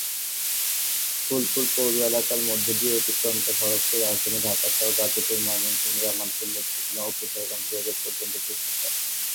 ফুলপুর পৌর এলাকার মধ্য দিয়ে অতিক্রান্ত সড়কটি রাজধানী ঢাকাসহ গাজীপুর, ময়মনসিংহ, জামালপুর, নেত্রকোণা ও কিশোরগঞ্জ ভৈরব পর্যন্ত বিস্তৃত।